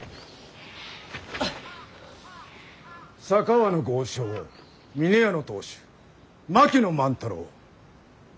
佐川の豪商峰屋の当主槙野万太郎。